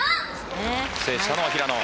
制したのは平野。